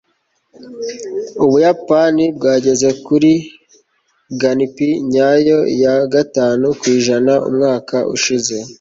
ubuyapani bwageze kuri gnp nyayo ya gatanu ku ijana umwaka ushize